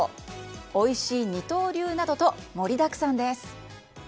おいしい二刀流などと盛りだくさんです。